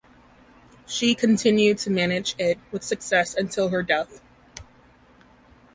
She continued to manage it with success until her death.